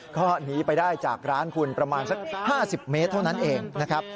ก็หนีไปได้จากร้านคุณประมาณสัก๕๐เมตรเท่านั้นเองนะครับ